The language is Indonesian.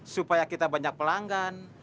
supaya kita banyak pelanggan